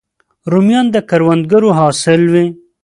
رومیان د کروندګرو حاصل وي